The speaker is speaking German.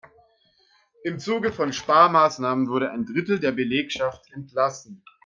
Im Zuge von Sparmaßnahmen wurde ein Drittel der Belegschaft entlassen.